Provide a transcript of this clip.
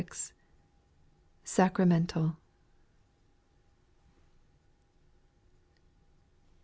(Sacramental.)